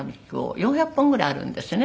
４００本ぐらいあるんですね。